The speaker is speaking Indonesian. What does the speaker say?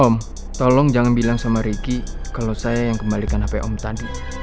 om tolong jangan bilang sama ricky kalau saya yang kembalikan hp om tadi